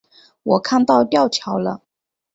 我看到吊桥了